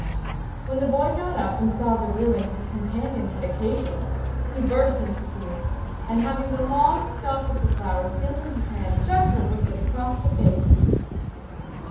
When the boy got up, and saw the ruin his companion had occasioned, he burst into tears, and having the long stalk of the flower still in his hand, struck her with it across the face.